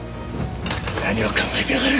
何を考えてやがる。